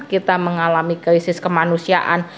kita mengalami krisis kemanusiaan